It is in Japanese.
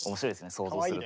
想像すると。